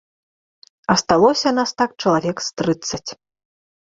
Асталося нас так чалавек з трыццаць.